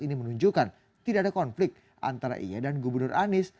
ini menunjukkan tidak ada konflik antara ia dan gubernur anies